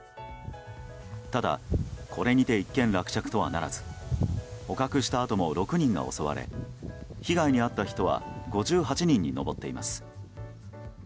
ただ、これにて一件落着とはならず捕獲したあとも６人が襲われ被害に遭った人は５８人に上っています。